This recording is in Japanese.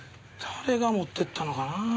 誰が持ってったのかなぁ？